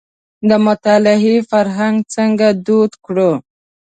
د مطالعې فرهنګ څنګه دود کړو.